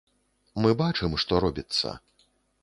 Мы бачым, што робіцца.